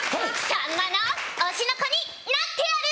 さんまの推しの子になってやる！